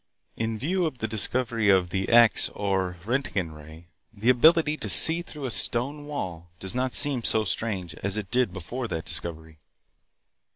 In view of the discovery of the X or Roentgen ray, the ability to see through a stone wall does not seem so strange as it did before that discovery.